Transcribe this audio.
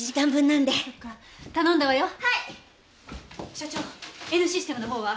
所長Ｎシステムの方は。